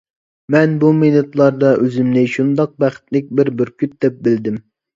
مەن بۇ مىنۇتلاردا ئۆزۈمنى شۇنداق بەختلىك بىر بۈركۈت دەپ بىلدىم.